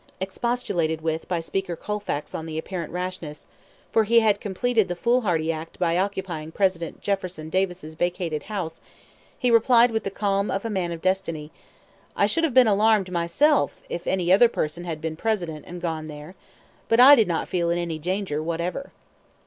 Expostulated with by Speaker Colfax on the apparent rashness, for he had completed "the foolhardy act" by occupying President Jefferson Davis' vacated house, he replied with the calm of a man of destiny: "I should have been alarmed myself if any other person had been President and gone there; but I did not feel in any danger whatever."